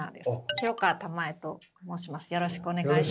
廣川玉枝と申します。